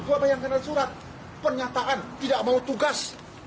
coba bayangkan ada surat pernyataan tidak mau tugas